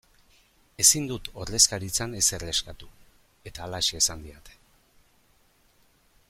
Ezin dut ordezkaritzan ezer eskatu eta halaxe esan didate.